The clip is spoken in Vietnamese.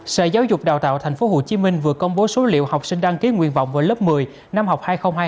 sở giáo dục đào tạo tp hcm vừa công bố số liệu học sinh đăng ký nguyện vọng vào lớp một mươi năm học hai nghìn hai mươi hai nghìn hai mươi